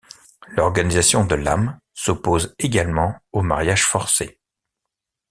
L'organisation de Lam s'oppose également aux mariages forcés.